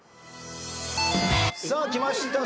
さあきました。